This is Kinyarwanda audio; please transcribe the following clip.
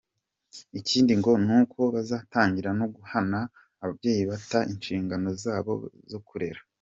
Ikindi ngo ni uko bazatangira no guhana ababyeyi bata inshingano zabo zo kurera.